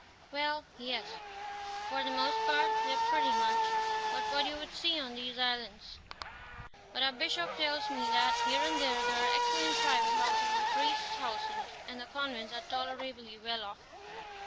"Well, yes, for the most part they are pretty much what you would see on these islands; but our Bishop tells me that, here and there, there are excellent private houses, and the priests' houses and the convents are tolerably well off.